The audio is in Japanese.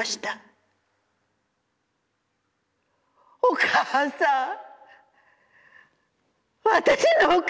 『おかあさん、私のおかあちゃん』